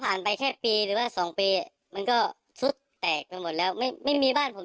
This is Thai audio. ไปแค่ปีหรือว่าสองปีมันก็ซุดแตกไปหมดแล้วไม่ไม่มีบ้านผม